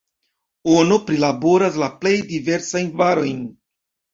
Ono prilaboras la plej diversajn varojn.